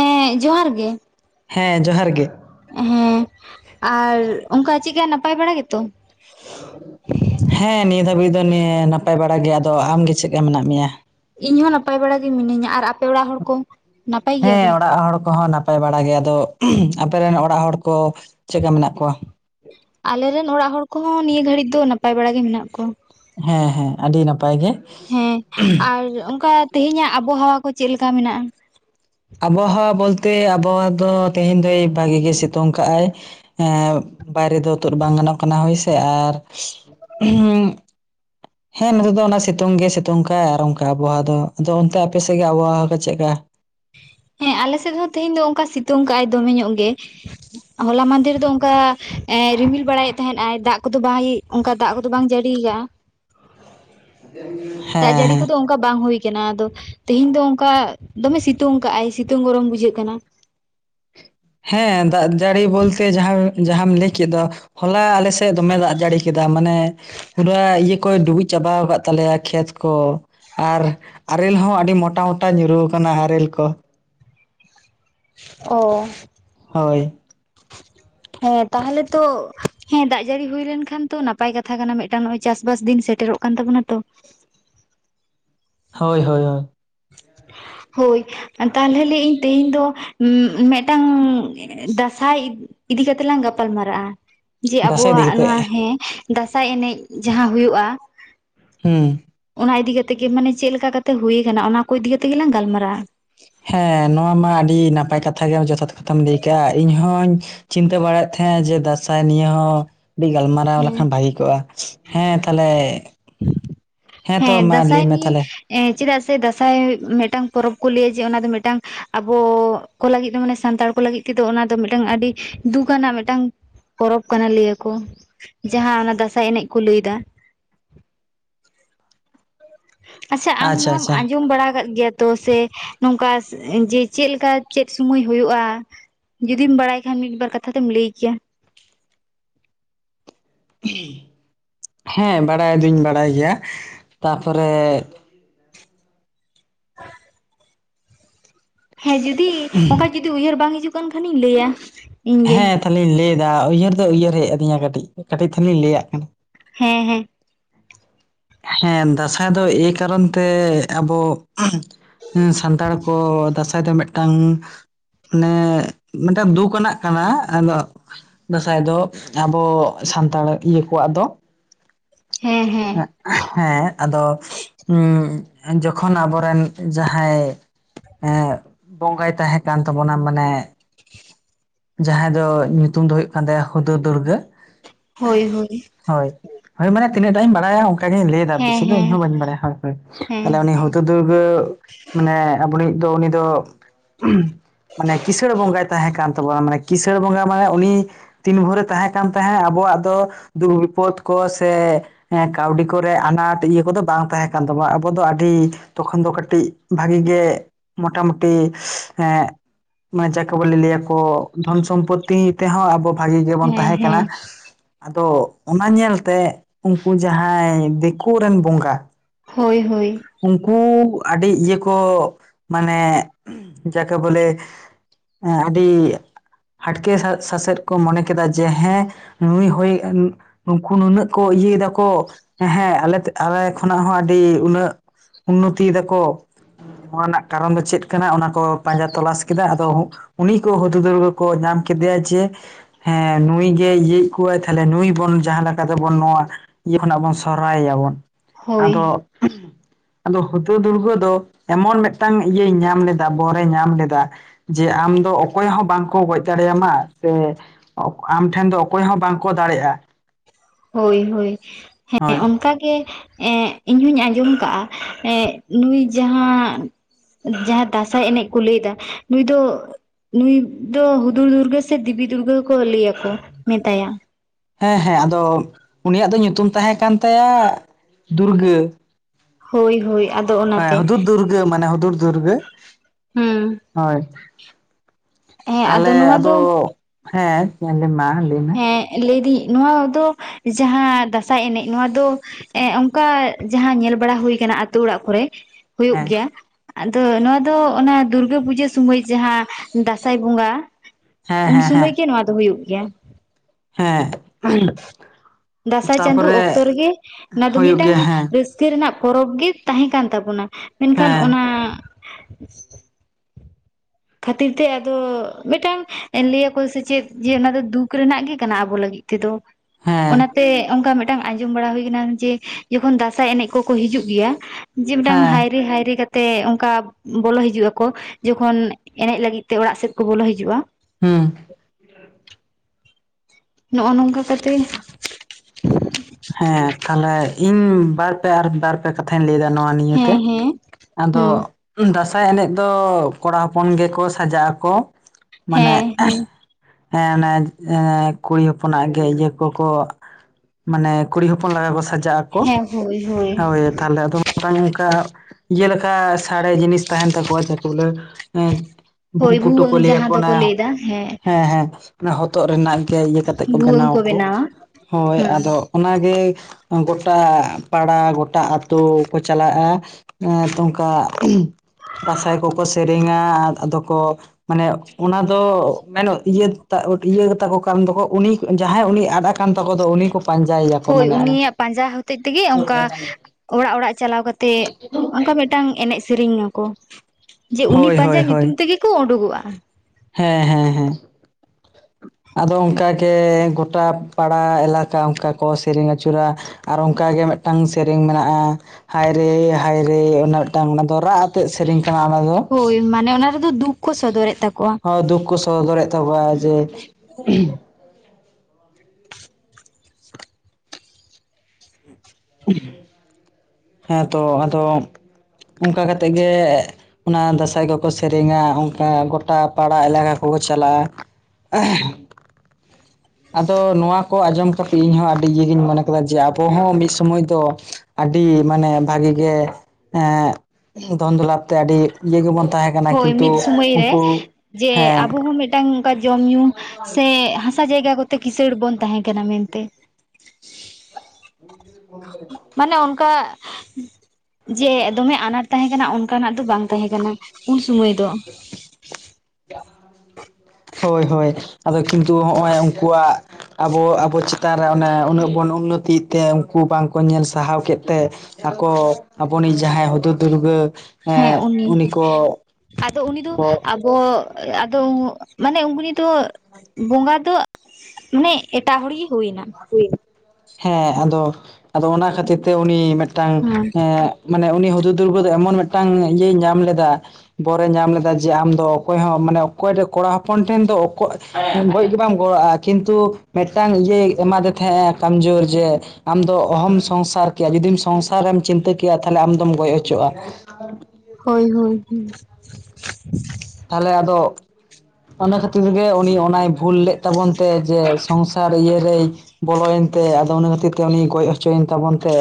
ᱦᱮᱸ ᱡᱚᱦᱟᱨ ᱜᱮ ᱦᱮᱸ ᱡᱚᱦᱟᱨ ᱜᱮ ᱦᱮᱸ ᱟᱨ ᱚᱱᱠᱟ ᱪᱮᱫᱠᱟ ᱱᱟᱯᱟᱭ ᱵᱟᱲᱟ ᱜᱮᱛᱚ? ᱦᱮᱸ ᱱᱤᱭᱟᱹ ᱫᱷᱟᱹᱵᱤᱡ ᱫᱚ ᱱᱤᱭᱟᱹ ᱱᱟᱯᱟᱭ ᱵᱟᱲᱟ ᱜᱮ ᱟᱫᱚ ᱟᱢ ᱜᱮ ᱪᱮᱫ ᱞᱮᱠᱟ ᱢᱮᱱᱟᱜ ᱢᱮᱭᱟ? ᱤᱧ ᱦᱚᱸ ᱱᱟᱯᱟᱭ ᱵᱟᱲᱟ ᱜᱮ ᱢᱤᱱᱟᱹᱧᱟ ᱟᱨ ᱟᱯᱮ ᱚᱲᱟᱜ ᱦᱚᱲ ᱠᱚ? ᱱᱟᱯᱟᱭ ᱜᱮᱭᱟ ᱦᱮᱸ ᱠᱚ ᱚᱲᱟᱜ ᱦᱚᱲ ᱠᱚ ᱦᱚᱸ ᱱᱟᱯᱟᱭ ᱱᱟᱯᱟᱭ ᱵᱟᱲ ᱜᱮ ᱟᱫᱚ, ᱟᱯᱮ ᱨᱮᱱ ᱚᱲᱟᱜ ᱦᱚᱲ ᱠᱚ ᱪᱮᱫ ᱞᱮᱠᱟ ᱢᱮᱱᱟᱜ ᱠᱚᱣᱟ? ᱟᱞᱮ ᱨᱮᱱ ᱚᱲᱟᱜ ᱦᱚᱲ ᱠᱚᱦᱚᱸ ᱱᱤᱭᱟᱹ ᱜᱷᱟᱹᱲᱤᱡ ᱫᱚ ᱱᱟᱯᱟᱭ ᱵᱟᱲᱟ ᱜᱮ ᱢᱮᱱᱟᱜ ᱠᱚᱣᱟ᱾ ᱦᱮᱸ ᱦᱮᱸ ᱟᱹᱰᱤ ᱱᱟᱯᱟᱭ ᱜᱮ᱾ ᱦᱮᱸ ᱟᱨ ᱚᱱᱠᱟ ᱛᱮᱦᱮᱧ ᱟᱜ ᱟᱵᱚᱦᱟᱣᱟ ᱠᱚ ᱪᱮᱫ ᱞᱮᱠᱟ ᱢᱮᱱᱟᱜᱼᱟ? ᱟᱵᱚᱦᱟᱣᱟ ᱵᱚᱞᱛᱮ ᱟᱵᱚᱦᱟ ᱫᱚ ᱛᱮᱦᱤᱧ ᱫᱚᱭ ᱵᱷᱟᱜᱤ ᱜᱮ ᱥᱤᱛᱩᱝ ᱟᱠᱟᱜᱟᱭ᱾ ᱵᱟᱭᱨᱮ ᱫᱚ ᱛᱩᱫ ᱵᱟᱝ ᱜᱟᱱᱚᱜ ᱠᱟᱱᱟ ᱦᱳᱭ ᱥᱮ ᱟᱨ [inaudible] ᱦᱮᱸ ᱱᱚᱛᱮ ᱫᱚ ᱚᱱᱟ ᱥᱤᱛᱩᱝ ᱜᱮ ᱥᱤᱛᱩᱝ ᱟᱠᱜᱟᱭ ᱟᱨ ᱚᱱᱠᱟ ᱟᱵᱚᱦᱟᱣᱟ ᱫᱚ ᱟᱫᱚ ᱚᱱᱛᱮ ᱟᱯᱮ ᱥᱮᱫ ᱜᱮ ᱟᱵᱚᱦᱟᱣᱟ ᱠᱚ ᱪᱮᱫ ᱞᱮᱠᱟ? ᱦᱮᱸ ᱟᱞᱮ ᱥᱮᱫ ᱦᱚᱸ ᱛᱮᱦᱮᱧ ᱫᱚ ᱚᱱᱠᱟ ᱥᱤᱛᱩᱝ ᱠᱟᱜ-ᱟᱭ ᱫᱚᱢᱮ ᱧᱚᱜ ᱜᱮ᱾ ᱦᱚᱞᱟ ᱢᱟᱦᱫᱷᱮᱨ ᱫᱚ ᱚᱱᱠᱟ, ᱮ ᱨᱤᱢᱤᱞ ᱵᱟᱲᱟᱭᱮᱫ ᱛᱟᱦᱮᱸᱫ ᱟᱭ, ᱫᱟᱜ ᱠᱚᱫᱚ ᱵᱟᱭ ᱚᱱᱠᱟ ᱫᱟᱜ ᱠᱚᱫᱚ ᱵᱟᱝ ᱡᱟᱹᱲᱤ ᱟᱭ ᱟ [unintelligible] ᱫᱟᱜ ᱡᱟᱹᱲᱤ ᱠᱚ ᱫᱚ ᱚᱱ ᱚᱱᱠᱟ ᱵᱟᱝ ᱦᱩᱭ ᱟᱠᱟᱱᱟ ᱟᱫᱚ, ᱛᱮᱦᱮᱧ ᱫᱚ ᱚᱱᱠᱟ ᱫᱚᱢᱮ ᱥᱤᱛᱩᱝ ᱟᱠᱟᱜ-ᱟᱭ, ᱥᱤᱛᱩᱝ ᱜᱚᱨᱚᱢ ᱵᱩᱡᱷᱟᱹᱜ ᱠᱟᱱᱟ᱾ ᱦᱮᱸ ᱫᱟᱜ ᱡᱟᱹᱲᱤ ᱵᱚᱞᱛᱮ ᱡᱟᱦᱟᱸ ᱡᱟᱦᱟᱸᱟᱢ ᱞᱟᱹᱭ ᱠᱮᱫ ᱫᱚ ᱦᱚᱞᱟ ᱟᱞᱮ ᱥᱮᱫ ᱫᱚᱢᱮ ᱫᱟᱜ ᱡᱟᱹᱲᱤ ᱠᱮᱫᱟ᱾ ᱢᱟᱱᱮ ᱯᱩᱨᱟ ᱤᱭᱟᱹ ᱠᱚᱭ ᱰᱩᱵᱩᱡ ᱪᱟᱵᱟ ᱟᱠᱟᱫ ᱛᱟᱞᱮ-ᱭᱟ ᱠᱷᱮᱛ ᱠᱚ᱾ ᱟᱨ ᱟᱨᱮᱞ ᱦᱚᱸ ᱟᱹᱰᱤ ᱢᱚᱴᱟ ᱢᱚᱴᱟ ᱧᱩ-ᱨᱩ ᱟᱠᱟᱱᱟ ᱟᱨᱮᱞ ᱠᱚ᱾ ᱚ ᱦᱳᱭ [inaudible] ᱦᱮᱸ ᱛᱟᱦᱚᱞᱮ ᱛᱚ, ᱦᱮᱸ ᱫᱟᱜ ᱡᱟᱹᱲᱤ ᱦᱩᱭ ᱞᱮᱱᱠᱷᱟᱱ ᱛᱚ ᱱᱟᱯᱟᱭ ᱠᱟᱛᱷᱟ ᱠᱟᱱᱟ ᱢᱤᱫᱴᱟᱝ ᱱᱚᱜ ᱚᱭ ᱪᱟᱥ ᱵᱟᱥ ᱫᱤᱱ ᱥᱮᱴᱮᱨᱚᱜ ᱠᱟᱱ ᱛᱟᱵᱚᱱᱟ ᱛᱚ? ᱦᱚᱭ ᱦᱚᱭ ᱦᱚᱭ ᱾ ᱦᱚᱭ ᱛᱟᱦᱮᱞᱮ ᱞᱟᱭᱤᱧ ᱛᱮᱦᱮᱧ ᱫᱚ ᱢᱤᱫᱴᱟᱝ ᱫᱟᱸᱥᱟᱭ ᱤᱫᱤ ᱠᱟᱛᱮᱫ ᱞᱟᱝ ᱜᱟᱯᱟᱞ ᱢᱟᱨᱟᱜ-ᱟ ᱾ ᱡᱮ ᱫᱟᱸᱥᱟᱭ ᱤᱫᱤ ᱟᱵᱚᱣᱟᱜ ᱠᱟᱛᱮ ᱱᱚᱣᱟ ᱦᱮᱸ ᱫᱟᱸᱥᱟᱭ ᱮᱱᱮᱡ ᱡᱟᱦᱟᱸ ᱦᱩᱭᱩᱜ-ᱟ ᱾ ᱦᱩᱸ ᱚᱱᱟ ᱤᱫᱤ ᱠᱟᱛᱮᱜ ᱜᱮ ᱢᱟᱱᱮ ᱪᱮᱫ ᱞᱮᱠᱟ ᱠᱟᱛᱮᱜ ᱦᱩ ᱟᱠᱟᱱᱟ? ᱚᱱᱟ ᱠᱚ ᱤᱫᱤ ᱠᱟᱛᱮᱜ ᱜᱮᱞᱟᱝ ᱜᱟᱞᱢᱟᱨᱟᱜ-ᱟ ᱾ ᱦᱮᱸ ᱱᱚᱣᱟ ᱢᱟ ᱟᱹᱰᱤ ᱱᱟᱯᱟᱭ ᱠᱟᱛᱷᱟ ᱜᱮᱢ ᱡᱚᱛᱷᱟᱛ ᱠᱟᱛᱷᱟᱢ ᱞᱟᱹᱭ ᱠᱟᱜ-ᱟ ᱾ ᱤᱧᱦᱚᱧ ᱪᱤᱱᱛᱟᱹ ᱵᱟᱲᱟᱭᱮᱫ ᱛᱟᱦᱮᱸᱦᱱᱟ ᱡᱮ ᱫᱟᱸᱥᱟᱭ ᱱᱤᱭᱟᱹ ᱦᱚᱸ ᱟᱹᱰᱤ ᱜᱟᱞᱢᱟᱨᱟᱣ ᱦᱮᱸ ᱞᱮᱠᱷᱟᱱ ᱵᱷᱟᱹᱜᱤ ᱠᱚᱜ-ᱟ ᱾ ᱦᱮᱸ ᱛᱟᱦᱮᱞᱮ ᱦᱮᱸᱛᱚᱵᱮ ᱦᱮᱸ ᱢᱟ ᱫᱟᱸᱥᱟᱭ ᱞᱟᱹᱭ ᱢᱮ ᱱᱤᱭᱮ ᱛᱟᱦᱚᱞᱮ ᱾ ᱪᱮᱫᱟᱜ ᱥᱮ ᱫᱟᱸᱥᱟᱭ ᱢᱤᱫᱴᱟᱝ ᱯᱚᱨᱚᱵᱽ ᱠᱚ ᱞᱟᱹᱭᱟ ᱡᱮ ᱚᱱᱟ ᱫᱚ ᱢᱤᱫᱴᱟᱝ ᱟᱵᱚ ᱟᱵᱚ ᱠᱚ ᱞᱟᱹᱜᱤᱫ ᱫᱚ ᱢᱟᱱᱮ ᱥᱟᱱᱛᱟᱲ ᱠᱚ ᱞᱟᱹᱜᱤᱫ ᱛᱮᱫᱚ ᱚᱱᱟ ᱫᱚ ᱢᱤᱫᱴᱟᱝ ᱟᱹᱰᱤ ᱫᱩᱠ ᱟᱱᱟᱜ ᱢᱤᱫᱴᱟᱝ ᱯᱚᱨᱚᱵᱽ ᱠᱟᱱᱟ ᱞᱟᱹᱭᱟᱠᱚ ᱾ ᱡᱟᱦᱟᱸ ᱚᱱᱟ ᱫᱟᱸᱥᱟᱭ ᱮᱱᱮᱡ ᱠᱚ ᱞᱟᱹᱭ ᱮᱫᱟ᱾ ᱟᱪᱪᱷᱟ ᱟᱢ ᱱᱚᱣᱟᱢ ᱟᱸᱡᱚᱢ ᱵᱟᱲᱟ ᱟᱠᱟᱫ ᱜᱮᱭᱟ? ᱛᱚ ᱥᱮ ᱱᱚᱝᱠᱟ ᱡᱮ ᱪᱮᱫ ᱞᱮᱠᱟ ᱪᱮᱫ ᱥᱚᱢᱚᱭ ᱦᱩᱭᱩᱜᱭ-ᱟ? ᱡᱩᱫᱤᱢ ᱵᱟᱲᱟᱭ ᱠᱷᱟᱱ ᱢᱤᱫ ᱵᱟᱨ ᱠᱟᱛᱷᱟ ᱛᱮᱢ ᱞᱟᱹᱭ ᱠᱮᱭᱟ ᱾ ᱦᱮᱸ ᱵᱟᱲᱟᱭ ᱫᱩᱧ ᱵᱟᱲᱟᱭ ᱜᱮᱭᱟ ᱾ ᱛᱟᱯᱚᱨᱮ ᱦᱮᱸ ᱡᱩᱫᱤ ᱚᱱᱠᱟ ᱡᱩᱚᱫᱤ ᱩᱭᱦᱟᱹᱨ ᱵᱟᱝ ᱦᱤᱡᱩᱜ ᱠᱟᱱ ᱠᱷᱟᱱᱤᱧ ᱞᱟᱹᱭᱟ ᱾ ᱦᱮᱸ ᱛᱟᱦᱚᱞᱮᱧ ᱞᱟᱹᱭ ᱮᱫᱟ ᱾ ᱩᱭᱦᱟᱹᱨ ᱫᱚ ᱩᱭᱦᱟᱹᱨ ᱦᱮᱡ ᱟᱹᱫᱤᱧᱟ ᱠᱟᱹᱴᱤᱡ, ᱠᱟᱹᱴᱤᱡ ᱛᱟᱦᱚᱞᱤᱧ ᱞᱟᱹᱭᱟᱜ ᱠᱟᱱᱟ ᱾ ᱦᱮᱸ ᱦᱮᱸ ᱦᱮᱸ ᱫᱟᱸᱥᱟᱭ ᱫᱚ ᱮᱭ ᱠᱟᱨᱚᱱ ᱛᱮ ᱟᱵᱚ ᱮᱸ ᱥᱟᱱᱛᱟᱲ ᱠᱚ ᱫᱟᱸᱥᱟᱭ ᱫᱚ ᱢᱤᱫᱴᱟᱝ ᱢᱟᱱᱮ ᱢᱤᱫᱴᱟᱝ ᱫᱩᱠ ᱟᱱᱟᱜ ᱠᱟᱱᱟ ᱟᱫᱚ ᱫᱟᱥᱟᱭ ᱫᱚ ᱟᱵᱚ ᱥᱟᱱᱛᱟᱲ ᱤᱭᱟᱹ ᱠᱚᱣᱟᱜ ᱫᱚ᱾ ᱦᱮᱸ ᱦᱮᱸ ᱦᱮᱸ ᱟᱫᱚ ᱡᱚᱠᱷᱚᱱ ᱟᱵᱚᱨᱮᱱ ᱡᱟᱦᱟᱸᱭ ᱵᱚᱸᱜᱟᱭ ᱛᱟᱦᱮᱸ ᱠᱟᱱ ᱛᱟᱵᱚᱱᱟ ᱢᱟᱱᱮ ᱡᱟᱦᱟᱸᱭ ᱫᱚ ᱧᱩᱛᱩᱢ ᱫᱚ ᱦᱩᱭᱩᱜᱭ ᱠᱟᱱ ᱛᱟᱭᱟ ᱦᱩᱫᱩᱬ ᱫᱩᱨᱜᱟᱸ᱾ ᱦᱚᱭ ᱦᱚᱭ ᱾ ᱦᱚᱭ ᱦᱚᱭ ᱢᱟᱱᱮ ᱛᱤᱱᱟᱹᱜ ᱜᱟᱱ ᱤᱧ ᱵᱟᱲᱟᱭᱟ ᱚᱱᱠᱟᱜᱤᱧ ᱞᱟᱹᱭ ᱮᱫᱟ᱾ ᱦᱮᱸ ᱵᱮᱥᱤ ᱫᱚ ᱦᱮᱸ ᱤᱧᱦᱚᱸ ᱵᱟᱹᱧ ᱵᱟᱲᱟᱭᱟ ᱦᱚᱭ ᱦᱮ ᱦᱮᱸ ᱾ ᱩᱱᱤ ᱦᱩᱫᱩᱬ ᱫᱩᱨᱜᱟᱹ ᱢᱟᱱᱮ ᱟᱵᱚᱱᱤᱡ ᱫᱚ ᱩᱱᱤ ᱫᱚ ᱢᱟᱱᱮ ᱠᱸᱤᱥᱟᱹᱬ ᱵᱚᱸᱜᱟᱭ ᱛᱟᱦᱮᱸ ᱠᱟᱱ ᱛᱟᱵᱚᱱᱟ ᱾ ᱢᱟᱱᱮ ᱠᱤᱥᱟᱹᱬ ᱵᱚᱸᱜᱟ ᱢᱟᱱᱮ ᱩᱱᱤ ᱛᱤᱱ ᱵᱷᱳᱨᱮ ᱛᱟᱦᱮᱸ ᱠᱟᱱ ᱛᱟᱦᱮᱸᱫ ᱟᱵᱚᱣᱟᱜ ᱫᱚ ᱫᱩᱠ ᱵᱤᱯᱚᱫ ᱠᱚ ᱥᱮ ᱦᱮᱸ ᱠᱟᱹᱣᱰᱤ ᱠᱚᱨᱮᱜ ᱟᱱᱟᱴ ᱤᱭᱟᱹ ᱠᱚᱫᱚ ᱵᱟᱝ ᱛᱟᱦᱮᱸ ᱠᱟᱱ ᱛᱟᱵᱚ ᱾ ᱟᱵᱚ ᱫᱚ ᱟᱹᱰᱤ ᱛᱚᱠᱷᱚᱱ ᱫᱚ ᱠᱟᱹᱴᱤᱡ ᱵᱷᱟᱹᱜᱤ ᱜᱮ ᱢᱚᱴᱟ-ᱢᱩᱴᱤ ᱮᱸ ᱢᱟᱱᱮ ᱡᱟᱠᱮᱵᱚᱞᱮ ᱞᱟᱹᱭᱟᱠᱚ ᱫᱷᱚᱱ ᱥᱚᱢᱯᱚᱛᱤ ᱛᱮᱦᱚᱸ ᱟᱵᱚ ᱵᱷᱟᱹᱜᱤ ᱜᱮᱵᱚᱱ ᱦᱮᱸ ᱛᱟᱦᱮᱸ ᱦᱮᱸ ᱠᱟᱱᱟ ᱾ ᱟᱫᱚ ᱚᱱᱟ ᱧᱮᱞᱛᱮ ᱩᱱᱠᱩ ᱡᱟᱦᱟᱸᱭ ᱫᱤᱠᱩ ᱨᱮᱱ ᱵᱚᱸᱜᱟ ᱦᱟᱭ ᱦᱚᱭ ᱾ ᱩᱱᱠᱩ ᱟᱹᱰᱤ ᱤᱭᱟᱹ ᱠᱚ ᱢᱟᱱᱮ ᱡᱟᱠᱮ ᱵᱚᱞᱮ ᱟᱹᱰᱤ ᱦᱟᱹᱴᱠᱮ ᱥᱟᱥᱮᱛ ᱠᱚ ᱢᱚᱱᱮ ᱠᱮᱫᱟ ᱡᱮ ᱦᱮᱸ ᱱᱩᱭ ᱦᱩᱭ ᱱᱩᱠᱩ ᱱᱩᱱᱟᱹᱜ ᱠᱚ ᱤᱭᱟᱹᱭ ᱫᱟᱠᱚᱸ ᱦᱮᱸ ᱟᱞᱮ ᱟᱞᱮ ᱠᱷᱚᱱᱟᱜ ᱦᱚᱸ ᱟᱹᱰᱤ ᱩᱱᱟᱹᱜ ᱩᱱᱱᱚᱛᱤᱭ ᱫᱟᱠᱚ ᱾ ᱱᱚᱣᱟ ᱨᱮᱱᱟᱜ ᱠᱟᱨᱚᱱ ᱫᱚ ᱪᱮᱫ ᱠᱟᱱᱟ ᱚᱱᱟ ᱠᱚ ᱯᱟᱸᱡᱟ ᱛᱚᱞᱟᱥ ᱠᱮᱫᱟ᱾ ᱟᱫᱚ ᱩᱱᱤ ᱠᱚ ᱦᱩᱫᱩᱲ ᱫᱩᱨᱜᱟᱹ ᱠᱚ ᱧᱟᱢ ᱠᱮᱫᱮᱭᱟ ᱡᱮ ᱦᱮᱸ ᱱᱩᱭ ᱜᱮ ᱤᱭᱟᱹᱮᱫ ᱠᱚᱣᱟᱭ ᱛᱟᱦᱞᱮ ᱱᱩᱭ ᱵᱚᱱ ᱡᱟᱦᱟᱸ ᱞᱮᱠᱟ ᱛᱮᱵᱚᱱ ᱱᱚᱣᱟ ᱤᱭᱟᱹ ᱠᱷᱚᱱᱟᱜ ᱵᱚᱱ ᱥᱚᱨᱟᱣ ᱮᱭᱟ ᱵᱚᱱ ᱟᱫᱚ ᱦᱳᱭ ᱟᱫᱚ ᱦᱩᱫᱩᱲ ᱫᱩᱨᱜᱟᱹ ᱫᱚ ᱮᱢᱚᱱ ᱢᱤᱫᱴᱟᱝ ᱤᱭᱟᱹᱭ ᱧᱟᱢ ᱞᱮᱫᱟ ᱵᱚᱨᱮ ᱧᱟᱢ ᱞᱮᱫᱟ ᱾ ᱡᱮ ᱟᱢ ᱫᱚ ᱚᱠᱚᱭ ᱦᱚᱸ ᱵᱟᱝᱠᱚ ᱜᱚᱡ ᱫᱟᱲᱮᱭᱟᱢᱟ ᱥᱮ ᱟᱢᱴᱷᱮᱱ ᱫᱚ ᱚᱠᱚᱭ ᱦᱚᱸ ᱵᱟᱝᱠᱚ ᱫᱟᱲᱮᱼᱟ᱾ ᱦᱳᱭ ᱦᱳᱭ ᱦᱮᱸ ᱦᱳᱭ ᱚᱱᱠᱟ ᱜᱮ ᱮᱸᱼᱼ ᱤᱧ ᱦᱚᱧ ᱟᱸᱡᱚᱢᱠᱟᱼᱟ ᱮᱸ ᱱᱩᱭ ᱡᱟᱦᱟᱸᱼᱼ ᱡᱟᱦᱟᱸ ᱫᱟᱸᱥᱟᱭ ᱮᱱᱮᱡ ᱠᱚ ᱞᱮᱹᱭᱫᱟ ᱱᱩᱭ ᱫᱚᱼᱼ ᱱᱩᱭ ᱫᱚ ᱦᱩᱫᱩᱨ ᱫᱩᱨᱜᱟᱹ ᱥᱮ ᱫᱮᱵᱤ ᱫᱩᱨᱜᱟᱹ ᱠᱚ ᱞᱟᱹᱭᱼᱟ ᱠᱚ ᱢᱮᱛᱟᱭᱟ᱾ ᱦᱮᱸ ᱦᱮᱸ ᱟᱫᱚ ᱩᱱᱤᱭᱟᱜ ᱫᱚ ᱧᱩᱛᱩᱢ ᱛᱟᱦᱮᱸ ᱠᱟᱱ ᱛᱟᱭᱟ ᱫᱩᱨᱜᱟᱹ ᱦᱳᱭ ᱦᱳᱭ ᱟᱨ ᱦᱮᱸ ᱦᱩᱫᱩᱨ ᱫᱩᱨᱜᱟᱹ ᱢᱟᱱᱮ ᱦᱩᱫᱩᱨ ᱫᱩᱨᱜᱟᱹ ᱦᱩᱸ ᱦᱳᱭ᱾ ᱦᱮᱸ ᱛᱟᱦᱚᱞᱮ ᱱᱚᱣᱟ ᱟᱫᱚ ᱫᱚ ᱦᱮᱸ ᱢᱟ ᱞᱟᱹᱭ ᱢᱮ? ᱮᱸ ᱞᱟᱹᱭᱫᱤᱧ ᱱᱚᱣᱟ ᱫᱚ ᱡᱟᱦᱟᱸ ᱫᱟᱸᱥᱟᱭ ᱮᱱᱮᱡ ᱱᱚᱣᱟ ᱫᱚ ᱮᱸ ᱚᱱᱠᱟᱼᱼ ᱡᱟᱦᱟᱸ ᱧᱮᱞ ᱵᱟᱲᱟ ᱦᱩᱭᱠᱟᱱᱟ ᱟᱹᱛᱩ ᱚᱲᱟᱜ ᱠᱚᱨᱮ ᱦᱩᱭᱩᱜ ᱦᱮᱸ ᱜᱮᱭᱟ᱾ ᱟᱫᱚ ᱱᱚᱣᱟ ᱫᱚ ᱚᱱᱟ ᱫᱩᱨᱜᱟᱹ ᱯᱩᱡᱟᱹ ᱥᱩᱢᱟᱹᱭ ᱡᱟᱦᱟᱸ ᱫᱟᱸᱥᱟᱭ ᱵᱚᱸᱜᱟ ᱦᱮᱸ ᱩᱱ ᱦᱮᱸ ᱥᱩᱢᱟᱹᱭ ᱜᱮ ᱱᱚᱣᱟ ᱫᱚ ᱦᱩᱭᱩᱜ ᱜᱮᱭᱟ᱾ ᱦᱮᱸ᱾ ᱦᱮᱸ ᱫᱟᱸᱥᱟᱭ ᱪᱟᱸᱫᱳ ᱛᱟᱯᱚᱨᱮ ᱚᱠᱛᱚ ᱨᱮᱜᱮ ᱚᱱᱟ ᱫᱚ ᱦᱩᱭᱩᱜ ᱢᱤᱫᱴᱟᱝ ᱜᱮᱭᱟ ᱦᱮᱸ ᱨᱟᱹᱥᱠᱟᱹᱼᱼ ᱨᱟᱹᱥᱠᱟᱹ ᱨᱮᱱᱟᱜ ᱯᱚᱨᱚᱵᱽ ᱜᱮ ᱛᱟᱦᱮᱸ ᱠᱟᱱ ᱛᱟᱵᱚᱱᱟ ᱢᱮᱱᱠᱷᱟᱱ ᱦᱮᱸ ᱚᱱᱟᱼᱼ ᱠᱷᱟᱹᱛᱤᱨ ᱛᱮ ᱟᱫᱚ ᱢᱤᱫᱴᱟᱝ ᱞᱟᱹᱭᱟᱠᱚ ᱥᱮ ᱪᱮᱫ ᱡᱮ ᱚᱱᱟ ᱫᱚ ᱫᱩᱠ ᱨᱮᱱᱟᱜ ᱜᱮ ᱠᱟᱱᱟ ᱟᱵᱚ ᱞᱟᱹᱜᱤᱫ ᱛᱮᱫᱚ ᱦᱮᱸ ᱛᱮ ᱚᱱᱠᱟ ᱢᱤᱫᱴᱟᱝ ᱟᱸᱡᱚᱢ ᱵᱟᱲᱟ ᱦᱩᱭ ᱟᱠᱟᱱᱟ ᱡᱮ ᱡᱚᱠᱷᱚᱱ ᱫᱟᱥᱟᱸᱭ ᱮᱱᱮᱡ ᱠᱚᱠᱚ ᱦᱤᱡᱩᱜ ᱜᱮᱭᱟ᱾ ᱡᱮ ᱢᱤᱫᱴᱟᱝ ᱦᱮᱸ ᱦᱟᱭᱨᱮ ᱦᱟᱭᱨᱮ ᱠᱟᱛᱮ ᱚᱱᱠᱟ ᱵᱚᱞᱚ ᱦᱤᱡᱩᱜᱼᱟᱠᱚ ᱡᱚᱠᱷᱚᱱ᱾ ᱮᱱᱮᱡ ᱞᱟᱹᱜᱤᱫ ᱛᱮ ᱚᱲᱟᱜ ᱥᱮᱫ ᱠᱚ ᱵᱚᱞᱚ ᱦᱤᱡᱩᱜᱼᱟ᱾ ᱦᱮᱸ ᱱᱚᱜᱼᱚ ᱱᱚᱝᱠᱟ ᱠᱟᱛᱮᱼᱼ ᱦᱮᱸ ᱛᱟᱦᱞᱮ ᱤᱧ ᱵᱟᱨ ᱯᱮ ᱟᱨ ᱵᱟᱨᱯᱮ ᱠᱟᱛᱷᱟᱧ ᱞᱟᱹᱭ ᱫᱟ ᱱᱚᱣᱟ ᱱᱤᱭᱟᱹᱛᱮ ᱦᱮᱸ ᱦᱮᱸ ᱟᱫᱚᱼᱼ ᱦᱩᱸ ᱫᱟᱸᱥᱟᱭ ᱮᱱᱮᱡ ᱫᱚ ᱠᱚᱲᱟ ᱦᱚᱯᱚᱱ ᱜᱮᱠᱚ ᱥᱟᱡᱟᱜ ᱟᱠᱚ ᱢᱟᱱᱮᱼᱼ ᱦᱮᱸ ᱦᱮᱸ ᱦᱮᱸ ᱚᱱᱮ ᱠᱩᱲᱤ ᱦᱚᱯᱚᱱᱟᱜ ᱜᱮ ᱤᱭᱟᱹ ᱠᱚᱠᱚ ᱢᱟᱱᱮ ᱠᱩᱲᱤ ᱦᱚᱯᱚᱱ ᱞᱮᱠᱟ ᱠᱚ ᱥᱟᱡᱟᱜ ᱟᱠᱚ᱾ ᱦᱮᱸ ᱦᱳᱭ ᱦᱳᱭ ᱛᱟᱦᱚᱞᱮ ᱟᱫᱚ ᱢᱤᱫᱴᱟᱝ ᱚᱝᱠᱟᱼᱼ ᱤᱭᱹᱞᱮᱠᱟ ᱥᱟᱲᱮ ᱡᱤᱱᱤᱥ ᱛᱟᱦᱮᱱ ᱛᱟᱠᱚᱣᱟ ᱡᱟ ᱠᱮ ᱵᱚᱞᱮ ᱮᱸᱼᱼ ᱦᱳᱭ ᱵᱩᱝᱠᱩᱴᱩ ᱠᱚ ᱵᱷᱩᱣᱟᱹᱝ ᱡᱟᱦᱟᱸ ᱞᱟᱹᱭᱟᱠᱚ ᱚᱱᱟ ᱫᱚᱠᱚ ᱞᱟᱹᱭᱫᱟ ᱦᱮᱸ ᱦᱮᱸ ᱚᱱᱟ ᱦᱚᱛᱚᱫ ᱨᱮᱱᱟᱜ ᱜᱮ ᱤᱭᱟᱹ ᱠᱟᱛᱮ ᱠᱚ ᱵᱷᱩᱣᱟᱹᱝ ᱵᱮᱱᱟᱣᱟᱠᱚ ᱵᱮᱱᱟᱣᱟ ᱦᱳᱭ ᱦᱩᱸ ᱟᱫᱚ ᱚᱱᱟᱜᱮ ᱜᱚᱴᱟᱼᱼ ᱯᱟᱲᱟ ᱜᱚᱴᱟ ᱟᱛᱳ ᱠᱚ ᱪᱟᱞᱟᱜᱼᱟ ᱮᱸ ᱛᱚ ᱚᱝᱠᱟ ᱫᱟᱸᱥᱟᱭ ᱠᱚᱠᱚ ᱥᱮᱨᱮᱧᱟ ᱟᱫᱚ ᱠᱚ ᱢᱟᱱᱮ ᱚᱱᱟ ᱫᱚ ᱢᱮᱱᱚᱜ ᱤᱭᱟᱹ ᱤᱭᱟᱹᱛᱟᱠᱚ ᱠᱟᱨᱚᱱ ᱫᱚᱠᱚ ᱩᱱᱤ ᱡᱟᱦᱟᱸᱭ ᱩᱱᱤ ᱟᱫ ᱟᱠᱟᱱ ᱛᱟᱠᱚ ᱫᱚ ᱩᱱᱤ ᱠᱚ ᱯᱟᱸᱪᱟᱭᱼᱼ ᱦᱳᱭ ᱩᱱᱤᱭᱟᱜ ᱯᱟᱸᱡᱟ ᱦᱚᱛᱮᱡ ᱛᱮᱜᱮ ᱚᱱᱠᱟ ᱚᱲᱟᱜ ᱚᱲᱟᱜ ᱪᱟᱞᱟᱣ ᱠᱟᱛᱮᱜᱼᱼ ᱚᱱᱠᱟ ᱢᱤᱫᱴᱟᱝ ᱮᱱᱮᱡ ᱥᱮᱨᱮᱧᱟᱠᱚ, ᱡᱮ ᱩᱱᱤ ᱦᱳᱭ ᱯᱟᱸᱡᱟ ᱦᱳᱭ ᱦᱳᱭ ᱧᱩᱛᱩᱢ ᱛᱮᱜᱮ ᱠᱚ ᱩᱰᱩᱠᱚᱜᱼᱟ᱾ ᱦᱮᱸ ᱦᱮᱸ ᱦᱮᱸ᱾ ᱟᱫᱚ ᱚᱱᱠᱟᱟᱜᱮ ᱜᱚᱴᱟ ᱯᱟᱲᱟ ᱮᱞᱟᱠᱟ ᱚᱱᱠᱟ ᱠᱚ ᱥᱮᱨᱮᱧ ᱟᱹᱪᱩᱨᱟ᱾ ᱟᱨ ᱚᱱᱠᱟᱟᱜ ᱜᱮ ᱢᱤᱫᱴᱟᱝ ᱥᱮᱨᱮᱧ ᱢᱮᱱᱟᱜᱼᱟ ᱦᱟᱭ ᱨᱮᱻ ᱦᱟᱭ ᱨᱮᱻᱩᱱᱟᱹᱜᱼᱼ ᱢᱤᱫᱴᱟᱝ ᱟᱫᱚ ᱨᱟᱜ ᱟᱛᱮᱜ ᱥᱮᱨᱮᱧ ᱠᱟᱱᱟ ᱚᱱᱟ ᱫᱚ ᱦᱳᱭ ᱢᱟᱱᱮ ᱚᱱᱟ ᱨᱮᱫᱚ ᱫᱩᱠ ᱠᱚ ᱥᱚᱫᱚᱨᱮᱫ ᱛᱟᱠᱚᱣᱟ᱾ ᱫᱩᱠ ᱠᱚ ᱥᱚᱫᱚᱨᱮᱫ ᱛᱟᱠᱚᱣᱟ ᱡᱮ ᱦᱮᱸᱛᱚ ᱟᱫᱚ ᱚᱱᱠᱟ ᱠᱟᱛᱮ ᱜᱮ ᱚᱱᱟ ᱫᱟᱸᱥᱟᱭ ᱫᱚ ᱠᱚᱠᱚ ᱥᱮᱨᱮᱧᱟ ᱚᱱᱠᱟ ᱜᱚᱴᱟ ᱯᱟᱲᱟ ᱮᱞᱟᱠᱟ ᱠᱚᱠᱚ ᱪᱟᱞᱟᱜᱼᱟ᱾ ᱮᱸ [unintelligible] ᱟᱫᱚ ᱱᱚᱣᱟ ᱠᱚ ᱟᱸᱡᱚᱢ ᱠᱟᱛᱮ ᱤᱧᱦᱚ ᱟᱹᱰᱤ ᱤᱧ ᱢᱚᱱᱮ ᱠᱟᱫᱟ ᱡᱮ ᱟᱵᱚᱚᱸ ᱢᱤᱫ ᱥᱚᱢᱚᱭ ᱫᱚ? ᱟᱹᱰᱤ ᱢᱟᱱᱮ ᱵᱷᱟᱜᱮ ᱜᱮ ᱫᱷᱚᱱ ᱫᱚᱞᱟᱯ ᱛᱮ ᱟᱹᱰᱤᱼᱼ ᱤᱭᱟᱹ ᱜᱮᱵᱚᱱ ᱛᱟᱦᱮᱸ ᱠᱟᱱᱟ ᱦᱳᱭ ᱠᱤᱱᱛᱩ ᱢᱤᱫ ᱥᱩᱢᱟᱹᱭ ᱨᱮ ᱩᱱᱠᱩ ᱡᱮ ᱦᱮᱸ᱾ ᱟᱵᱚ ᱦᱚᱸ ᱢᱤᱫᱴᱟᱝ ᱚᱱᱠᱟ ᱡᱚᱢ ᱧᱩ ᱥᱮ ᱦᱟᱥᱟ ᱡᱟᱭᱜᱟ ᱠᱚᱛᱮ ᱠᱤᱥᱟᱹᱬ ᱵᱚᱱ ᱛᱟᱦᱮᱸ ᱠᱟᱱᱟ ᱢᱮᱱᱛᱮ᱾ [unintelligible] ᱢᱟᱱᱮ ᱚᱱᱠᱟᱼᱼ ᱡᱮ ᱫᱚᱢᱮ ᱟᱱᱟᱴ ᱛᱟᱦᱮᱸ ᱠᱟᱱᱟ ᱚᱱᱠᱟᱱᱟᱜ ᱫᱚ ᱵᱟᱝ ᱛᱟᱦᱮᱸ ᱠᱟᱱᱟ ᱩᱱ ᱥᱩᱢᱟᱹᱭ ᱫᱚ᱾ ᱦᱳᱭ ᱦᱳᱭ ᱟᱫᱚ ᱠᱤᱱᱛᱩ ᱦᱚᱸᱜᱼᱚᱭ ᱩᱱᱠᱩᱣᱟᱜ᱾ ᱟᱵᱚ ᱟᱵᱚ ᱪᱮᱛᱟᱱ ᱨᱮ ᱚᱱᱮ ᱩᱱᱟᱹᱜ ᱵᱚᱱ ᱩᱱᱱᱚᱛᱤᱭᱮᱜ ᱛᱮ ᱩᱱᱠᱩ ᱵᱟᱝᱠᱚ ᱧᱮᱞ ᱥᱟᱦᱟᱣ ᱠᱮᱫ ᱛᱮᱼᱼ ᱟᱠᱚ ᱟᱵᱮᱱᱤᱡ ᱡᱟᱦᱟᱸᱭ ᱦᱩᱫᱩᱲ ᱫᱩᱨᱜᱟᱹ ᱩᱱᱤ ᱠᱚᱼᱼ ᱟᱫᱚ ᱩᱱᱤ ᱫᱚ ᱟᱵ ᱼᱼ ᱟᱫᱚ ᱢᱟᱱᱮ ᱩᱱ ᱫᱚ ᱵᱚᱸᱜᱟ ᱫᱚᱼᱼ ᱢᱟᱱᱮ ᱮᱴᱟᱜ ᱦᱚᱲᱤᱡᱼᱼ ᱦᱮᱸ ᱟᱫᱚ ᱟᱫᱚ ᱚᱱᱟ ᱠᱷᱟᱹᱛᱤᱨ ᱛᱮ ᱩᱱᱤ ᱢᱤᱫᱴᱟᱝ ᱦᱮᱸ ᱮᱻ ᱼᱼ ᱢᱟᱱᱮ ᱩᱱᱤ ᱦᱩᱫᱩᱲ ᱫᱩᱨᱜᱟᱹ ᱫᱚ ᱮᱢᱚᱱ ᱢᱤᱫᱴᱟᱝ ᱤᱭᱟᱹᱭ ᱧᱟᱢ ᱞᱮᱫᱟ᱾ ᱵᱚᱨᱮ ᱧᱟᱢ ᱞᱮᱫᱟ ᱡᱮ ᱟᱢᱫᱚ ᱚᱠᱚᱭ ᱦᱚᱸ, ᱢᱟᱱᱮ ᱚᱠᱚᱭ ᱴᱷᱮᱱ ᱠᱚᱲᱟ ᱦᱚᱯᱚᱱ ᱴᱷᱮᱱ ᱫᱚ ᱚᱠᱚᱼᱼ ᱜᱚᱡ ᱜᱮ ᱵᱟᱢ ᱜᱚᱲᱚᱜᱼᱟ, ᱠᱤᱱᱛᱩ ᱢᱤᱫᱴᱟᱝᱼᱼ ᱮᱢᱟᱫᱮ ᱛᱟᱦᱮᱸ ᱮ ᱠᱚᱢᱡᱳᱨ ᱡᱮ ᱟᱢ ᱫᱚ ᱚᱦᱚᱢ ᱥᱚᱝᱥᱟᱨ ᱠᱮᱭᱟ ᱡᱩᱫᱤᱢ ᱼᱼ ᱥᱚᱝᱥᱟᱨᱮᱢ ᱪᱤᱱᱛᱟᱹ ᱠᱮᱭᱟ ᱛᱟᱦᱞᱮ ᱟᱢ ᱫᱚᱢ ᱜᱚᱡ ᱦᱚᱪᱚᱜᱼᱟ᱾ ᱦᱳᱭ ᱦᱳᱭ᱾ ᱛᱟᱦᱚᱞᱮ ᱟᱫᱚ ᱚᱱᱟ ᱠᱷᱟᱹᱛᱤᱨ ᱜᱮ ᱩᱱᱤ ᱚᱱᱟᱭᱼᱼ ᱵᱷᱩᱞ ᱞᱮᱫ ᱛᱟᱵᱚᱱ ᱛᱮ ᱡᱮ ᱥᱚᱝᱥᱟᱨ ᱤᱭᱟᱹᱨᱮᱭᱼᱼ ᱵᱚᱞᱚᱭᱮᱱ ᱛᱮ ᱟᱫᱚ ᱚᱱᱟ ᱠᱷᱟᱹᱛᱤᱨ ᱛᱮ ᱩᱱᱤ ᱜᱚᱡ ᱦᱚᱪᱚᱭᱮᱱ ᱛᱟᱵᱚᱱ ᱛᱮᱼᱼ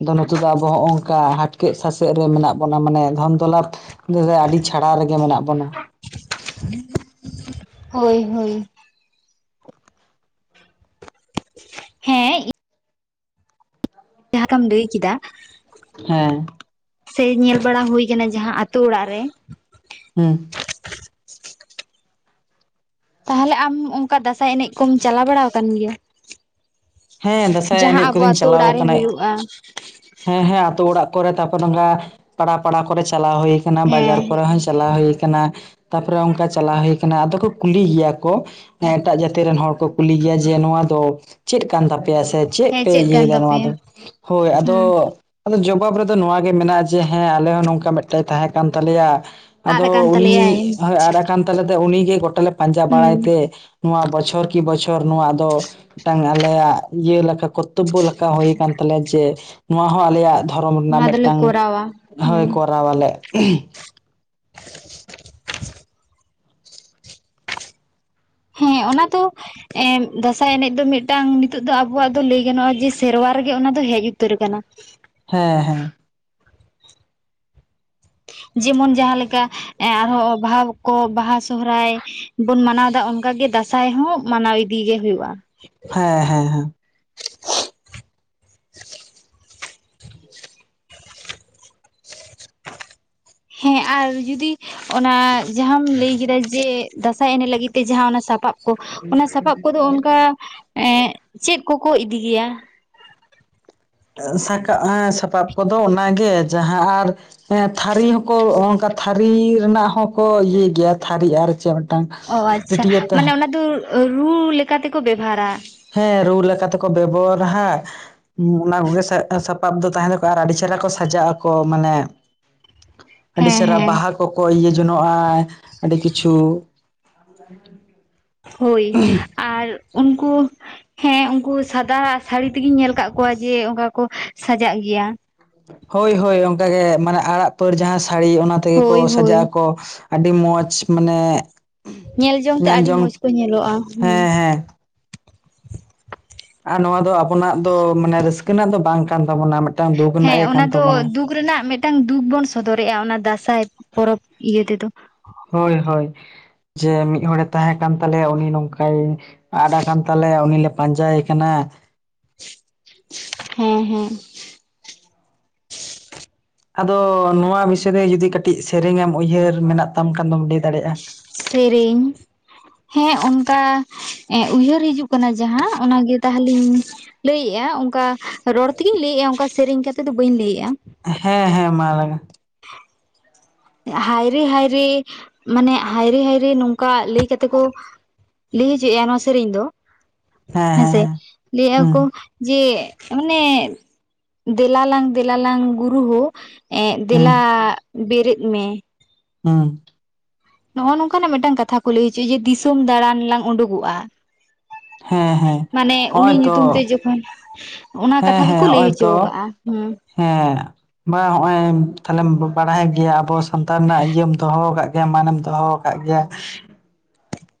ᱟᱫᱚ ᱱᱤᱛᱚᱜ ᱫᱚ ᱟᱵᱚ ᱦᱚᱸᱜᱼᱚ ᱱᱚᱝᱠᱟ ᱦᱴᱠᱮᱛ ᱥᱟᱥᱮᱛ ᱨᱮ ᱢᱮᱱᱟᱜ ᱵᱚᱱᱟ ᱢᱟᱱᱮ ᱫᱷᱚᱱ ᱫᱚᱞᱟᱛᱼᱼ [unintelligible] ᱟᱹᱰᱤ ᱪᱷᱟᱲᱟ ᱨᱮᱜᱮ ᱢᱮᱱᱟᱜ ᱵᱚᱱᱟ᱾ ᱦᱳᱭ ᱦᱳᱭ᱾ ᱦᱮᱸ᱾ ᱡᱟᱦᱟᱸ ᱞᱮᱠᱟᱢ ᱞᱟᱹᱭ ᱠᱤᱫᱟ᱾ ᱦᱮᱸ᱾ ᱥᱮ ᱧᱮᱞ ᱵᱟᱲᱟ ᱦᱩᱭ ᱟᱠᱟᱱᱟ ᱡᱟᱦᱟᱸ ᱟᱛᱳ ᱚᱲᱟᱜ ᱨᱮᱼᱼ ᱦᱩᱸ᱾ ᱛᱟᱦᱞᱮ ᱟᱢ ᱚᱱᱠᱟ ᱫᱟᱸᱥᱟᱭ ᱮᱱᱮᱡ ᱠᱚᱢ ᱪᱟᱞᱟᱣ ᱵᱟᱲᱟᱣ ᱠᱟᱱ ᱜᱮᱭᱟ? ᱦᱮᱸ ᱫᱟᱸᱥᱟᱭ ᱡᱟᱦᱟᱸ ᱮᱱᱮᱡ ᱟᱵᱚ ᱠᱚᱫᱚᱧ ᱟᱛᱳ ᱪᱟᱞᱟᱣ ᱚᱲᱟᱜ ᱨᱮ ᱠᱟᱱᱟ ᱦᱩᱭᱩᱜᱼᱟ᱾ ᱦᱮᱸ ᱦᱮᱸ ᱟᱛᱳ ᱚᱲᱟᱜ ᱠᱚᱨᱮ ᱛᱟᱨᱯᱚᱨᱮ ᱱᱚᱝᱠᱟ ᱯᱟᱲᱟ ᱯᱟᱲᱟ ᱠᱚᱨᱮ ᱪᱟᱞᱟᱣ ᱦᱩᱭ ᱟᱠᱟᱱᱟ ᱦᱮᱸ ᱵᱟᱡᱟᱨ ᱠᱚᱨᱮ ᱦᱚᱸ᱾ ᱪᱟᱞᱟᱣ ᱦᱩᱭ ᱠᱟᱱᱟ ᱛᱟᱯᱚᱨᱮ ᱚᱱᱠᱟ ᱪᱟᱞᱟᱣ ᱦᱩᱭ ᱟᱠᱟᱱᱟ, ᱟᱫᱚ ᱠᱚ ᱠᱩᱞᱤ ᱜᱮᱭᱟ ᱠᱚ᱾ ᱦᱮᱸ ᱮᱴᱟᱜ ᱡᱟᱹᱛᱤ ᱨᱮᱱ ᱦᱚᱲ ᱠᱚ ᱠᱩᱞᱤ ᱜᱮᱭᱟ ᱡᱮ ᱱᱚᱣᱟ ᱫᱚ ᱪᱮᱫ ᱠᱟᱱ ᱛᱟᱯᱮᱭᱟ ᱥᱮᱼᱼ ᱪᱮᱫ ᱦᱮᱸ ᱯᱮ ᱤᱭᱟ. ᱠᱟᱱ ᱭᱫᱟ ᱛᱟᱯᱮᱭᱟ ᱱᱚᱣᱟᱫᱚ? ᱦᱩᱸ ᱟᱫᱚ ᱡᱚᱵᱟᱵ ᱨᱮᱫᱚ ᱱᱚᱣᱟᱜᱮ ᱢᱮᱱᱟᱜᱼᱟ ᱡᱮ ᱦᱮᱸ ᱟᱞᱮ ᱦᱚᱸ ᱱᱚᱝᱠᱟ ᱢᱤᱫᱴᱮᱱ ᱛᱟᱦᱮᱸ ᱠᱟᱱ ᱛᱟᱞᱮᱭᱟ᱾ ᱟᱫ ᱟᱫᱚ ᱟᱠᱟᱱ ᱛᱟᱞᱮᱭᱟᱭ ᱩᱱᱤᱭ ᱟᱱ ᱠᱟᱱ ᱛᱟᱞᱮᱛᱮ ᱩᱱᱤ ᱜᱮ ᱜᱚᱴᱟᱞᱮ ᱯᱟᱸᱡᱟ ᱦᱩᱸ ᱵᱟᱲᱟᱭ ᱛᱮ ᱱᱚᱣᱟ ᱵᱚᱪᱷᱚᱨ ᱠᱤ ᱵᱚᱪᱷᱚᱨ ᱱᱚᱣᱟ ᱫᱚ ᱢᱤᱫᱴᱟᱝ ᱟᱞᱮᱭᱟᱜ ᱤᱭᱟᱹ ᱞᱮᱠᱟ ᱠᱚᱛᱛᱚᱵᱵᱚ ᱞᱮᱠᱟ ᱦᱩᱭ ᱠᱟᱱ ᱛᱟᱞᱮᱭᱟ ᱡᱮ ᱱᱚᱣᱟ ᱦᱚᱸ ᱟᱞᱮᱭᱟᱜ ᱫᱷᱚᱨᱚᱢ ᱨᱮᱱᱟᱜ ᱱᱚᱣᱟ ᱫᱚᱞᱮ ᱢᱤᱫᱴᱟᱝ ᱠᱚᱨᱟᱣᱟ ᱦᱳᱭ ᱦᱩᱸ ᱠᱚᱨᱟᱣᱟᱞᱮ [unintelligible] ᱦᱮᱸ ᱚᱱᱟ ᱫᱚ ᱮ ᱫᱟᱸᱥᱟᱭ ᱮᱱᱮᱡ ᱫᱚ ᱢᱤᱫᱴᱟᱝ ᱱᱤᱛᱚᱜ ᱫᱚ ᱟᱵᱚᱣᱟᱜ ᱫᱚ ᱞᱟᱹᱭ ᱜᱟᱱᱚᱜᱼᱟ ᱡᱮ, ᱥᱮᱨᱣᱟ ᱨᱮᱜᱮ ᱚᱱᱟ ᱫᱚ ᱦᱮᱡ ᱩᱛᱟᱹᱨ ᱟᱠᱟᱱᱟ᱾ ᱦᱮᱸ ᱦᱮᱸ᱾ ᱡᱮᱢᱚᱱ ᱡᱟᱦᱟᱸᱮᱠᱟ ᱮᱸ ᱟᱨᱦᱚᱸ ᱚᱵᱷᱟᱵ ᱠᱚ ᱵᱟᱦᱟ, ᱥᱚᱦᱨᱟᱭ, ᱵᱩᱱ ᱢᱟᱱᱟᱣᱮᱫᱟ, ᱚᱱᱠᱟᱜᱮ ᱫᱟᱸᱥᱟᱭ ᱦᱚᱸ ᱢᱟᱱᱟᱣ ᱤᱫᱤ ᱜᱤ ᱦᱩᱭᱩᱜᱼᱟ᱾ ᱦᱮᱸ ᱦᱮᱸ ᱦᱮᱸ᱾ ᱦᱮᱸ ᱟᱨ ᱡᱩᱫᱤ ᱚᱱᱟ ᱡᱟᱦᱟᱸᱟᱢ ᱞᱟᱹᱭ ᱠᱮᱫᱟ ᱡᱮ ᱫᱟᱸᱥᱟᱭ ᱮᱱᱮᱡ ᱞᱟᱹᱜᱤᱫ ᱛᱮ ᱡᱟᱦᱟᱸ ᱚᱱᱟ ᱥᱟᱯᱟᱵ ᱠᱚ, ᱚᱱᱟ ᱥᱟᱯᱟᱵ ᱠᱚᱫᱚ ᱚᱱᱠᱟ ᱮᱸᱜ ᱪᱮᱫ ᱠᱚ ᱠᱚ ᱤᱫᱤ ᱜᱮᱭᱟ? ᱟᱸᱥᱟ ᱠᱟᱜ ᱢᱮ ᱥᱟᱯᱟᱵ ᱠᱚᱫᱚ ᱚᱱᱟᱜᱮ ᱡᱟᱦᱟᱸ ᱟᱨ ᱦᱮᱸ ᱛᱷᱟᱹᱨᱤ ᱦᱚᱸ ᱠᱚ ᱚᱝᱠᱟ ᱛᱷᱟᱹᱨᱤ ᱨᱮᱱᱟᱜ ᱦᱚᱸᱠᱚ ᱤᱭᱟᱹᱭ ᱜᱮᱭᱟ, ᱛᱷᱟᱹᱨᱤ ᱟᱨ ᱪᱮᱫ ᱢᱤᱫᱴᱟᱝ ᱚ, ᱟᱪᱪᱷᱟ ᱴᱟᱹᱴᱭᱟᱹ ᱛᱮ ᱢᱟᱱᱮ ᱚᱱᱟ ᱫᱚ ᱨᱩ ᱛᱮᱠᱚ ᱵᱮᱵᱷᱟᱨᱟ ᱦᱮᱸ ᱨᱩ ᱞᱮᱠᱟ ᱛᱮᱠᱚ ᱵᱮᱵᱷᱟᱨᱟ ᱦᱟᱸᱜ ᱦᱩᱸ, ᱚᱱᱟ ᱠᱚᱜᱮ ᱥᱟ ᱥᱟᱯᱟᱵ ᱫᱚ ᱛᱟᱦᱮᱸ ᱛᱚᱠᱚᱣᱟ ᱟᱨ ᱟᱹᱰᱤ ᱪᱮᱦᱨᱟ ᱠᱚ ᱥᱟᱡᱟᱜ ᱟᱠᱚ, ᱢᱟᱱᱮ ᱟᱹᱰᱤ ᱦᱮᱸ ᱪᱮᱨᱦᱟ ᱦᱮᱸ ᱵᱟᱦᱟ ᱠᱚᱠᱚ ᱤᱭᱟᱹ ᱡᱚᱱᱚᱜᱼᱟ ᱾ ᱟᱹᱰᱤ ᱠᱤᱪᱷᱩ [unintelligible] ᱦᱳᱭ ᱟᱨ ᱩᱱᱠᱩ ᱦᱮᱸ, ᱩᱱᱠᱩ ᱥᱟᱫᱟ ᱟᱜ ᱥᱟᱹᱲᱤ ᱛᱮᱜᱮᱧ ᱧᱮᱞ ᱟᱠᱟᱜ ᱠᱚᱣᱟ, ᱡᱮ ᱚᱝᱠᱟ ᱠᱚ ᱥᱟᱡᱟᱜ ᱜᱮᱭᱟ ᱾ ᱦᱳᱭ ᱦᱳᱭ ᱚᱝᱠᱟ ᱜᱮ, ᱢᱟᱱᱮ ᱟᱨᱟᱜ ᱯᱟᱹᱲ ᱡᱟᱦᱟᱸ ᱥᱟᱹᱲᱤ, ᱚᱱᱟ ᱛᱮᱜᱮ ᱠᱚ ᱦᱳᱭ ᱦᱳᱭ ᱥᱟᱡᱟᱜ ᱟᱠᱚ ᱾ ᱟᱹᱰᱤ ᱢᱚᱡᱽ ᱢᱟᱱᱮ ᱧᱮᱞᱡᱚᱝ ᱛᱮ ᱧᱮᱞ ᱟᱹᱰᱤ ᱡᱚᱝ ᱢᱚᱸᱡᱽ ᱠᱚ ᱧᱮᱞᱚᱜᱼᱟ, ᱦᱩᱸ᱾ ᱦᱮᱸ ᱦᱮᱸ ᱟᱨ ᱱᱚᱣᱟ ᱫᱚ ᱟᱵᱚᱱᱟᱜ ᱫᱚ ᱢᱟᱱᱮ ᱨᱟᱹᱥᱠᱟᱹ ᱨᱮᱱᱟᱜ ᱫᱚ ᱵᱟᱝ ᱠᱟᱱ ᱛᱟᱵᱚᱱᱟ, ᱢᱮᱴ ᱦᱮᱸ, ᱚᱱᱟ ᱫᱚ ᱫᱩᱠ ᱨᱮᱱᱟᱜ ᱢᱤᱫᱴᱟᱝ ᱫᱩᱠ ᱵᱚᱱ ᱥᱚᱫᱚᱨᱮᱜᱼᱟ, ᱚᱱᱟ ᱫᱟᱸᱥᱟᱭ ᱯᱚᱨᱚᱵᱽ ᱤᱭᱟᱹ ᱛᱮᱫᱚ ᱾ ᱦᱳᱭ ᱦᱳᱭ, ᱡᱮ ᱢᱤᱫ ᱦᱚᱲ ᱮ ᱛᱟᱦᱮᱸ ᱠᱟᱱ ᱛᱟᱞᱮᱭᱟ, ᱩᱱᱤ ᱱᱚᱝᱠᱟᱭ ᱟᱫ ᱟᱠᱟᱱ ᱛᱟᱞᱮᱭᱟ, ᱩᱱᱤ ᱞᱮ ᱯᱟᱸᱡᱟᱭᱮ ᱠᱟᱱᱟ ᱾ ᱦᱮᱸ ᱦᱮᱸ ᱾ ᱟᱫᱚ ᱱᱚᱣᱟ ᱵᱤᱥᱚᱭ ᱨᱮ ᱡᱩᱫᱤ ᱠᱟᱹᱴᱤᱡ ᱥᱮᱨᱮᱧ ᱮᱢ ᱩᱭᱦᱟᱹᱨ ᱢᱮᱱᱟᱜ ᱛᱟᱢ ᱠᱷᱟᱱ ᱫᱚᱢ, ᱞᱟᱹᱭ ᱫᱟᱲᱮᱭᱟᱜᱼᱟ ᱾ ᱥᱮᱨᱮᱧ, ᱦᱮᱸ ᱚᱱᱠᱟ ᱮᱸ ᱩᱭᱦᱟᱹᱨ ᱦᱤᱡᱩᱜ ᱠᱟᱱᱟ ᱡᱟᱦᱟᱸ ᱚᱱᱟᱜᱮ ᱛᱟ ᱦᱞᱤᱧ ᱞᱟᱹᱭᱮᱫᱼᱟ, ᱚᱝᱠᱟ ᱨᱚᱲ ᱛᱮᱜᱮᱧ ᱞᱟᱹᱭᱮᱫᱼᱟ, ᱚᱝᱠᱟ ᱥᱮᱨᱮᱧ ᱠᱟᱛᱮᱫ ᱫᱚ ᱵᱟᱹᱧ ᱞᱟᱹᱭᱮᱫᱼᱟ ᱾ ᱦᱮᱸ ᱦᱮᱸ, ᱢᱟ ᱞᱟᱹᱭ ᱢᱮ ᱾ ᱦᱟᱭᱨᱮ ᱦᱟᱭᱨᱮ, ᱢᱟᱱᱮ ᱦᱟᱭᱨᱮ ᱦᱟᱭᱨᱮ ᱱᱚᱝᱠᱟ ᱞᱟᱹᱭ ᱠᱟᱛᱮ ᱠᱚ ᱞᱟᱹᱭ ᱦᱚᱪᱚᱭᱮᱜᱼᱟ ᱱᱚᱣᱟ ᱥᱮᱨᱮᱧ ᱫᱚ ᱦᱮᱸ ᱦᱮᱸ ᱦᱮᱸᱥᱮ, ᱦᱮᱸ, ᱞᱟᱹᱭᱮᱫᱼᱟ ᱦᱩᱸ ᱠᱚ ᱡᱮ, ᱚᱱᱮ ᱫᱮᱞᱟᱞᱟᱝ ᱫᱮᱞᱟᱞᱟᱝ ᱜᱩᱨᱩ ᱦᱳ ᱮᱸᱜ ᱦᱩᱸ ᱫᱮᱞᱟ ᱵᱮᱨᱮᱫ ᱢᱮ ᱦᱚᱸ ᱾ ᱱᱚᱜᱼᱚ ᱱᱚᱝᱠᱟᱱᱟᱜ ᱢᱤᱫᱴᱟᱝ ᱠᱟᱛᱷᱟ ᱠᱚ ᱞᱟᱹᱭ ᱦᱚᱪᱚᱭᱟ ᱡᱮ, ᱫᱤᱥᱚᱢ ᱫᱟᱬᱟᱱ ᱞᱟᱝ ᱩᱰᱩᱠᱚᱜᱼᱟ ᱾ ᱦᱮᱸ ᱦᱮᱸ ᱢᱟᱱᱮ ᱩᱱᱤ ᱦᱚᱜᱼᱚᱭ ᱛᱚ ᱧᱩᱛᱩᱢ ᱛᱮ ᱡᱚᱠᱷᱚᱱ ᱚᱱᱟ ᱦᱮᱸ ᱠᱟᱛᱷᱟ ᱦᱮᱸ ᱜᱮᱠᱚ ᱞᱟᱹᱭ ᱦᱚᱜᱼᱚᱭ ᱦᱚᱪᱚ ᱛᱚ ᱟᱠᱟᱜᱼᱟ, ᱦᱩᱸ᱾ ᱦᱮᱸ, ᱵᱟᱦ ᱦᱚᱜᱼᱚᱭ ᱛᱟᱦᱞᱮᱢ ᱵᱟᱲᱟᱭ ᱜᱮᱭᱟ ᱟᱵᱚ ᱥᱟᱱᱛᱟᱱ ᱨᱮᱱᱟᱜ ᱤᱭᱟᱹᱢ ᱫᱚᱦᱚ ᱟᱠᱟᱜ ᱜᱮᱭᱟ ᱢᱟᱱᱮᱢ ᱫᱚᱦᱚ ᱟᱠᱟᱜ ᱜᱮᱭᱟ᱾